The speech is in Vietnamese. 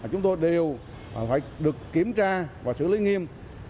chúng tôi đều phải được kiểm tra và xử lý nghiêm